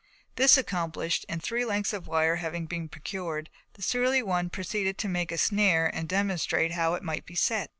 This accomplished, and three lengths of wire having been procured, the surly one proceeded to make a snare and to demonstrate how it might be set.